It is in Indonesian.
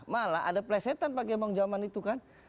malah ada plesetan pak gemaung zaman itu kan